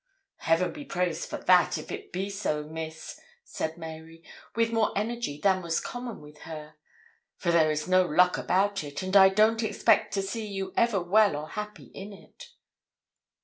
'Heaven be praised for that, if it be so, Miss!' said Mary, with more energy than was common with her, 'for there is no luck about it, and I don't expect to see you ever well or happy in it.'